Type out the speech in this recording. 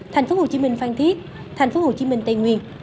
tp hcm phan thiết tp hcm tây nguyên